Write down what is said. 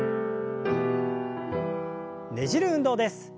ねじる運動です。